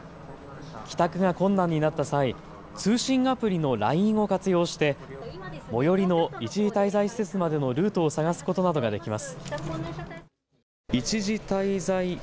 帰宅が困難になった際、通信アプリのＬＩＮＥを活用して最寄りの一時滞在施設までのルートを探すことなどができます。